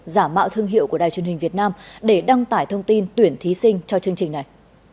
giả mạo thương hiệu của đài truyền hình việt nam để đăng tải thông tin tuyển thí sinh cho chương trình này